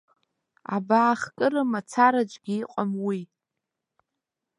Абаахкыра мацараҿгьы иҟам уи.